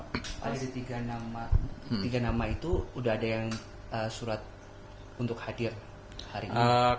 tadi tiga nama itu udah ada yang surat untuk hadir hari ini